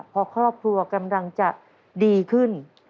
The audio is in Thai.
พอครอบครัวกำลังจะดีขึ้น